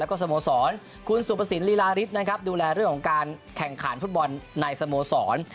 แล้วก็สโมสรคุณสุภสินลีลาริสนะครับดูแลเรื่องของการแข่งขันฟุตบอลในสโมสร